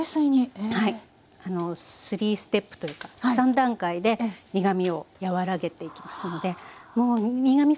３ステップというか３段階で苦みを和らげていきますのでもう苦み